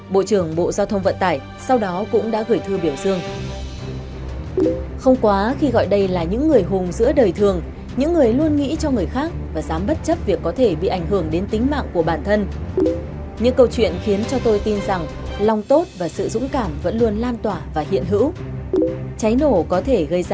bộ trưởng bộ giao thông vận tải sau đó cũng đã gửi thư biểu dương